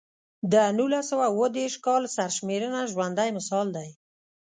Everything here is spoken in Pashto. د نولس سوه اووه دېرش کال سرشمېرنه ژوندی مثال دی.